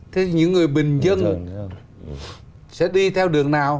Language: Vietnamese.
thế những người bình dân sẽ đi theo đường nào